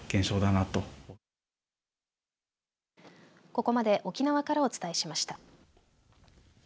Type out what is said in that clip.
ここまで沖縄からお伝えしました。